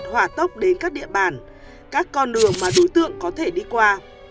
hỏa tốc đến các địa bàn các con đường mà đối tượng có thể đi qua